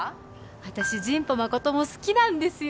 私真保誠も好きなんですよ